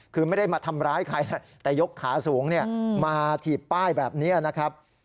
คือไม่ได้มาทำร้ายใครแต่ยกขาสูงมาถีบป้ายแบบนี้นะครับ